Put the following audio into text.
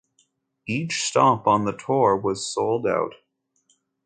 Each stop on the tour was sold out.